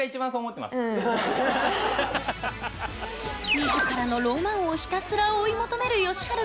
みずからのロマンをひたすら追い求めるよしはる